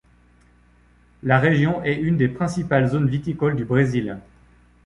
La région est une des principales zones viticoles du Brésil.